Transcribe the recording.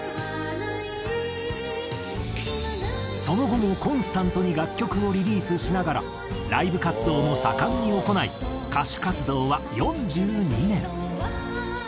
その後もコンスタントに楽曲をリリースしながらライブ活動も盛んに行い歌手活動は４２年。